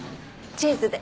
チーズで。